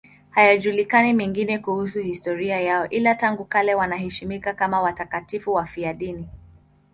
Hayajulikani mengine kuhusu historia yao, ila tangu kale wanaheshimiwa kama watakatifu wafiadini.